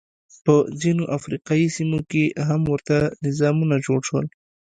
په ځینو افریقايي سیمو کې هم ورته نظامونه جوړ شول.